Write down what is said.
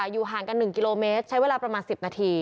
อยู่ห่างกัน๑กิโลเมตรใช้เวลาประมาณ๑๐นาที